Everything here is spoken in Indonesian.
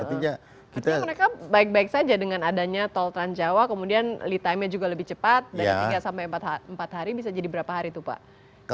artinya mereka baik baik saja dengan adanya tol transjawa kemudian lea time nya juga lebih cepat dari tiga sampai empat hari bisa jadi berapa hari itu pak